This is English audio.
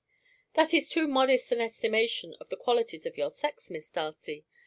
"That is too modest an estimation of the qualities of your sex, Miss Darcy.